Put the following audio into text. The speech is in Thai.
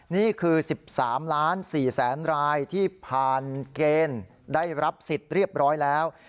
นี่คือ๑๓ล้าน๔แสนรายที่ผ่านเกณฑ์ได้รับสิทธิ์เรียบร้อยแล้ว